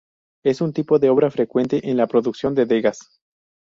Es un tipo de obra frecuente en la producción de Degas.